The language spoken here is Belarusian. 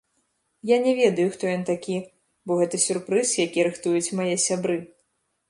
Я не ведаю, хто ён такі, бо гэта сюрпрыз, які рыхтуюць мае сябры.